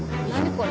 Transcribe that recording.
これ。